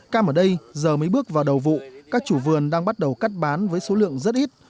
cam ở đây giờ mới bước vào đầu vụ các chủ vườn đang bắt đầu cắt bán với số lượng rất ít